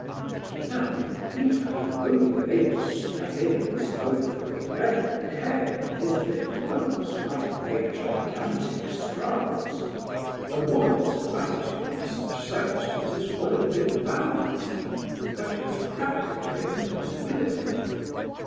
Now if Peter had only been able to step in at this moment with a red bouquet, his little hopes might have made gigantic strides. A woman's gratitude under such circumstances would have been boundless—but it was practically an impossibility.